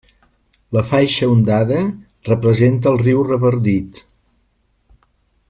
La faixa ondada representa el riu Revardit.